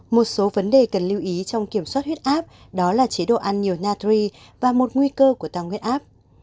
một số vấn đề cần lưu ý trong kiểm soát huyết áp đó là chế độ ăn nhiều natry và một nguy cơ của tăng huyết áp